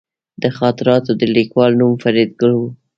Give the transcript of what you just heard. د خاطراتو د لیکوال نوم فریدګل و